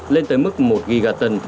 lên tới mức một gigaton